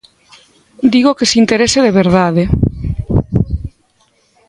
Digo que se interese de verdade.